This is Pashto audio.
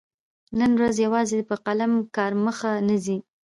نن ورځ يوازي په قلم کار مخته نه ځي.